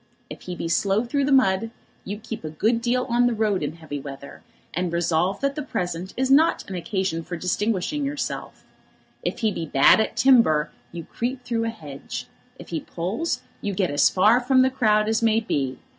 If he be slow through the mud, you keep a good deal on the road in heavy weather, and resolve that the present is not an occasion for distinguishing yourself. If he be bad at timber, you creep through a hedge. If he pulls, you get as far from the crowd as may be.